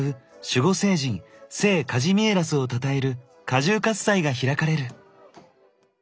守護聖人聖カジミエラスをたたえるカジューカス祭が開かれる。